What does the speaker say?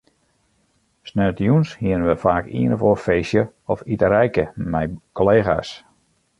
Sneontejûns hiene we faak ien of oar feestje of iterijke mei kollega's.